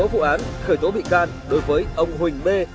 và đã phụ án khởi tố bị can đối với ông huỳnh mê